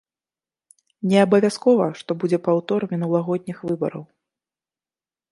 Неабавязкова, што будзе паўтор мінулагодніх выбараў.